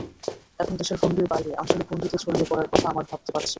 এখন দেশের গণ্ডির বাইরে আঞ্চলিক গণ্ডিতে ছড়িয়ে পড়ার কথা আমরা ভাবতে পারছি।